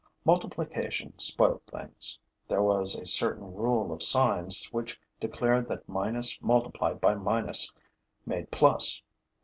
Multiplication spoilt things. There was a certain rule of signs which declared that minus multiplied by minus made plus.